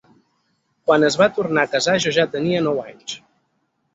Quan es va tornar a casar jo ja tenia nou anys.